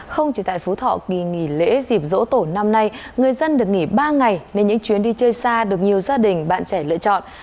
không chỉ tại phú thọ kỳ nghỉ lễ dịp dỗ tổ năm nay người dân được nghỉ ba ngày nên những chuyến đi chơi xa được nhiều gia đình bạn trẻ lựa chọn